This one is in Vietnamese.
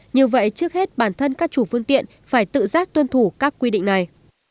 như vậy trước hết bản thân các chủ phương tiện phải tự giác tuân thủ các quy định này